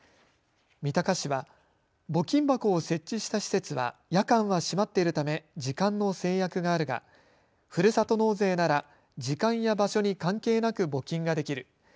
三鷹市は、募金箱を設置した施設は夜間は閉まっているため時間の制約があるがふるさと納税なら時間や場所に関係なく募金ができる。